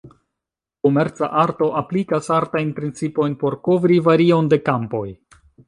Komerca arto aplikas artajn principojn por kovri varion de kampoj.